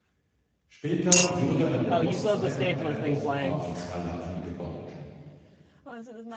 Später würde an der Ostseite eine Aufbahrungshalle angebaut.